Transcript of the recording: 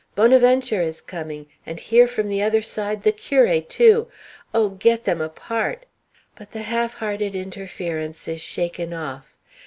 Bonaventure is coming! And here from the other side the curé too! Oh, get them apart!" But the half hearted interference is shaken off.